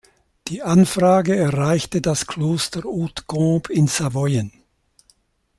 Die Anfrage erreichte das Kloster Hautecombe in Savoyen.